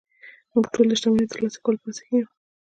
موږ ټول د شتمنۍ د ترلاسه کولو په هڅه کې يو